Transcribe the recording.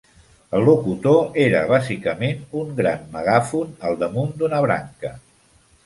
El locutor era bàsicament un gran megàfon al damunt d'una branca.